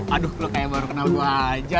aduh lo kayak baru kenal lu aja